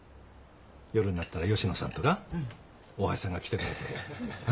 夜になったら吉野さんとか大橋さんが来てくれて。